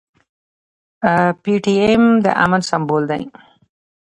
پي ټي ايم د امن سمبول دی.